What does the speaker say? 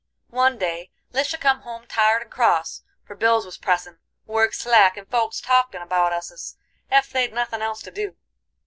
"One day Lisha come home tired and cross, for bills was pressin', work slack, and folks talkin' about us as ef they'd nothin' else to do.